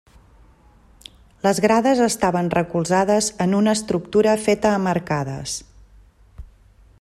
Les grades estaven recolzades en una estructura feta amb arcades.